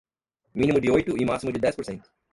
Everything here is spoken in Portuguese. mínimo de oito e máximo de dez por cento